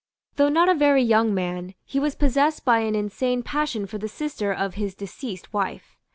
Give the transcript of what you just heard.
Though not a very young man, he was possessed by an insane passion for the sister of his deceased wife.